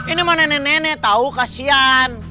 ini mana nenek nenek tahu kasihan